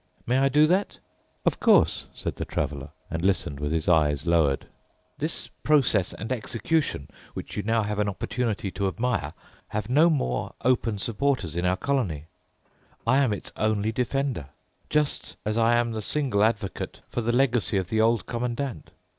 "May I do that?" "Of course," said the Traveler and listened with his eyes lowered. "This process and execution, which you now have an opportunity to admire, have no more open supporters in our colony. I am its only defender, just as I am the single advocate for the legacy of the Old Commandant.